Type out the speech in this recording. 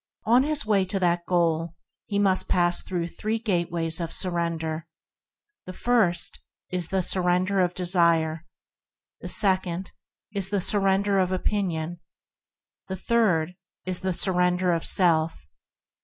On his way to that goal, he must pass through the three Gateways of Surrender. The first is the Surrender of Desire; the second the Surrender of Opinion; and the third the Surrender of Self.